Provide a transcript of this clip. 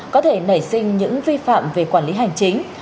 có thể nảy sinh những vi phạm về quản lý hành chính